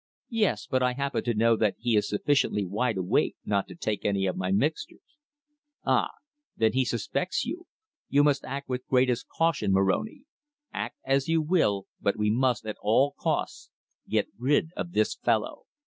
"Yes. But I happen to know that he is sufficiently wide awake not to take any of my mixtures." "Ah! Then he suspects you! You must act with greatest caution, Moroni. Act as you will, but we must, at all costs, get rid of this fellow."